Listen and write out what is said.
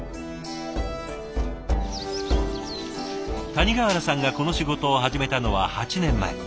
谷川原さんがこの仕事を始めたのは８年前。